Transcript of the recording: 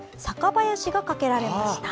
ばやしがかけられました。